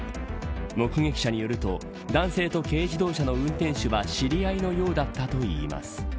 目撃者によると男性と軽自動車の運転手は知り合いのようだったといいます。